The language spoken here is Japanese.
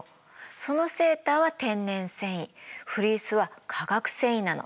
そのセーターは天然繊維フリースは化学繊維なの。